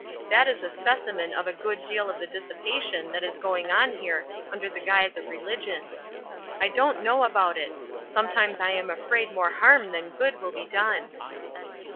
That is a specimen of a good deal of the dissipation that is going on here under the guise of religion. I don't know about it; sometimes I am afraid more harm than good will be done."